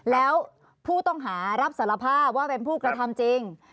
แล้วผู้ต้องหารับสารภาพว่าเป็นผู้กระทำจริง